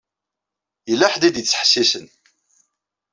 Yella ḥedd i d-ittḥessisen.